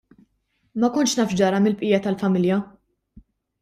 Ma kontx naf x'ġara mill-bqija tal-familja.